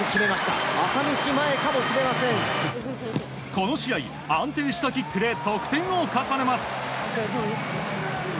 この試合、安定したキックで得点を重ねます。